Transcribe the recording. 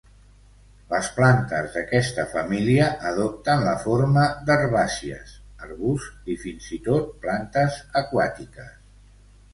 Les plantes d'aquesta família adopten la forma d'herbàcies, arbusts i fins i tot plantes aquàtiques.